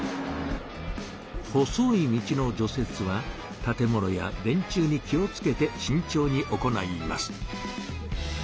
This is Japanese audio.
細い道の除雪は建物や電柱に気をつけてしんちょうに行います。